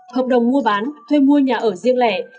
hợp đồng mua bán thuê mua nhà ở riêng lẻ